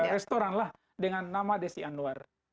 restoran lah dengan nama desi anwar